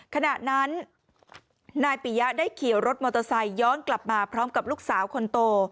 ขณะนั้นนายปิยะได้ขี่รถมอเตอร์ไซค์ย้อนกลับมาพร้อมกับลูกสาวคนโต